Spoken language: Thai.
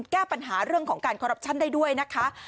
แก้ปัญหาเรื่องของการคอรัปชั่นได้ด้วยนะคะ